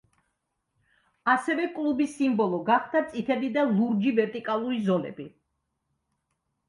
ასევე კლუბის სიმბოლო გახდა წითელი და ლურჯი ვერტიკალური ზოლები.